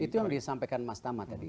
itu yang disampaikan mas tama tadi